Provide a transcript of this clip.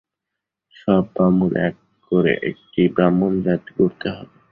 সব বামুন এক করে একটি ব্রাহ্মণজাত গড়তে হবে।